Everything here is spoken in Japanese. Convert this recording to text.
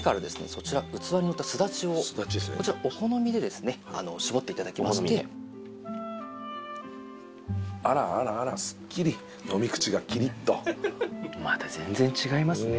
そちら器にのったすだちをこちらお好みでですね搾っていただきましてあらあらあらまた全然違いますね